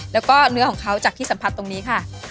แล้วก็เนื้อของเขาจากที่สัมผัสตรงนี้ค่ะ